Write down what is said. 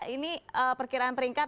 ini perkiraan peringkat